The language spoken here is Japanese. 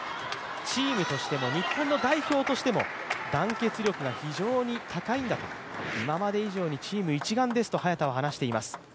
チームとしても日本の代表としても、団結力が非常に高いんだと、今まで以上にチーム一丸ですと早田は話しています。